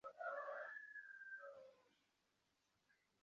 Alikuwa maarufu kwa wapenzi wake wengi.